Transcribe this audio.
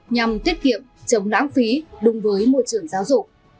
nhằm tiết kiệm chống lãng phí đúng với môi trường giáo dục